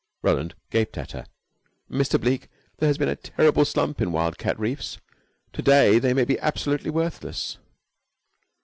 Roland gaped at her. "Mr. Bleke, there has been a terrible slump in Wildcat Reefs. To day, they may be absolutely worthless."